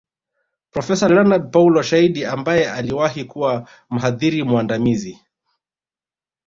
Profesa Leonard Paulo Shaidi ambaye aliwahi kuwa mhadhiri mwandamizi